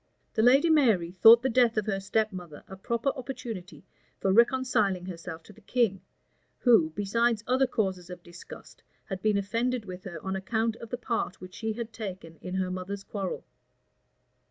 The lady Mary thought the death of her step mother a proper opportunity for reconciling herself to the king, who, besides other causes of disgust, had been offended with her on account of the part which she had taken in her mother's quarrel.